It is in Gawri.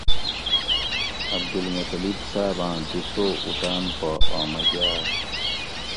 عبدالمطلب صاباۤں دُو سو اُٹاۤن پا آمہ گاۤش